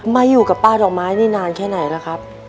มาอยู่กับป้าดอกไม้นี่นานแค่ไหนล่ะครับ